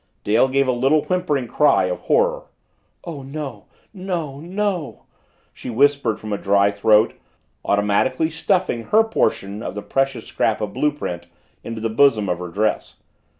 Dale gave a little whimpering cry of horror. "Oh, no, no, no," she whispered from a dry throat, automatically stuffing her portion of the precious scrap of blue print into the bosom of her dress.